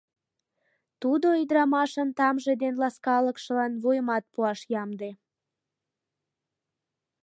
Тудо ӱдырамашын тамже ден ласкалыкшылан вуйымат пуаш ямде.